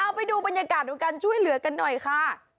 ไปดูบรรยากาศของการช่วยเหลือกันหน่อยค่ะ